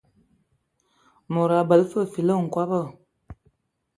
Mod abələ fəg fili nkɔbɔ.